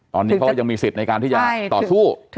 ตอนนี้เขาก็ยังมีสิทธิ์ในการที่จะต่อสู้